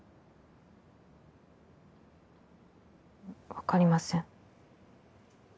分かりません。